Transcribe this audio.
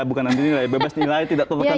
bukan anti nilai bebas nilai tidak keperkan